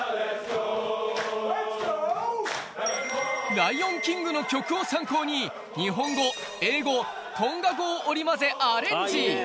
『ライオン・キング』の曲を参考に日本語、英語、トンガ語を織り交ぜ、アレンジ。